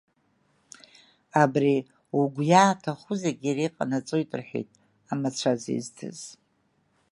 Абри угәы иааҭаху зегьы иара иҟанаҵоит, — рҳәеит амацәаз изҭаз.